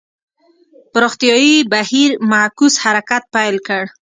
پراختیايي بهیر معکوس حرکت پیل کړ.